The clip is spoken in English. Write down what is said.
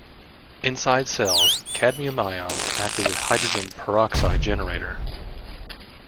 Inside cells, cadmium ions act as a hydrogen peroxide generator.